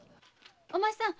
お前さん